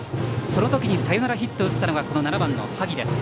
その時にサヨナラヒットを打ったのがこの７番、萩です。